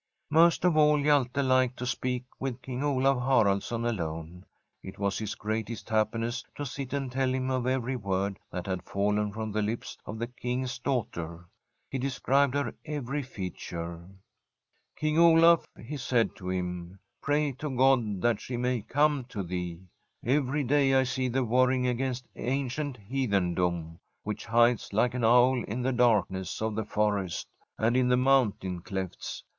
Most of all Hjalte liked to speak with King Olaf Haraldsson alone. It was his greatest happiness to sit and tell him of every word that had fallen from the lips of the King's daughter. He de scribed her every feature. [x84l ASTRID ' King Olaf/ he said to him, ' pray to God that she may come to thee. Every day I sec thee warring against ancient heathendom which hides like an owl in the darkness of the forest, and in the mountain clefts.